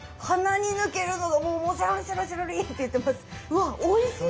うわおいしい！